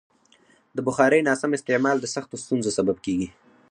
د بخارۍ ناسم استعمال د سختو ستونزو سبب کېږي.